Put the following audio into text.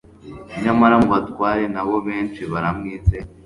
«Nyamara mu batware na bo benshi baramwizeye,